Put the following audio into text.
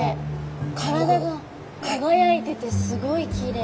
体が輝いててすごいきれい。